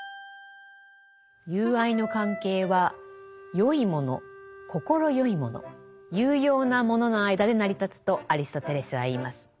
友愛の関係は善いもの快いもの有用なものの間で成り立つとアリストテレスは言います。